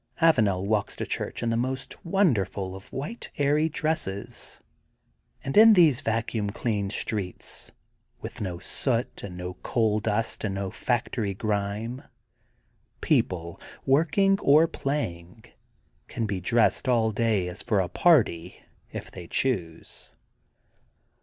Avanel walks to church in the most wonderful of white airy dresses. And in these vacuum cleaned streets, with no soot and no coal dust and no factory grime, people, working or playing, can be dressed all day as for a party if they choose.